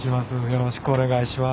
よろしくお願いします。